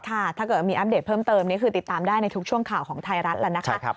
ถ้าเกิดมีอัปเดตเพิ่มเติมนี่คือติดตามได้ในทุกช่วงข่าวของไทยรัฐแล้วนะคะ